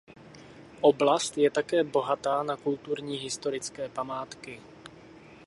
Oblast je také bohatá na kulturní a historické památky.